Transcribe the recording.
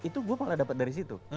itu gue malah dapat dari situ